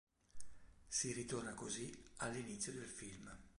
Si ritorna così all'inizio del film.